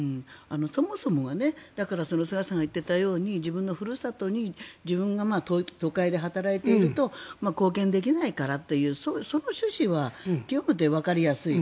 そもそもが菅さんが言っていたように自分のふるさとに自分が都会で働いていると貢献できないからというその趣旨は極めてわかりやすい。